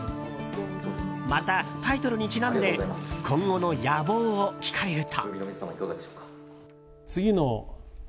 また、タイトルにちなんで今後の野望を聞かれると。